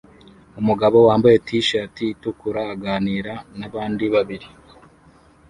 Umugabo wambaye t-shati itukura aganira nabandi babiri